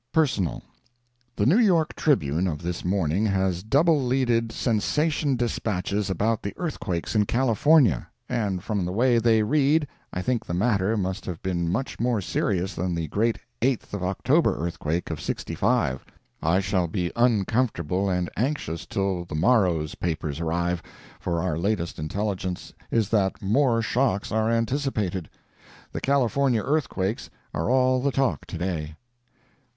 Personal. The New York Tribune of this morning has double leaded sensation despatches about the earthquakes in California, and from the way they read I think the matter must have been much more serious than the great 8th of October earthquake of '65. I shall be uncomfortable and anxious till the morrow's papers arrive, for our latest intelligence is that more shocks are anticipated. The California earthquakes are all the talk to day.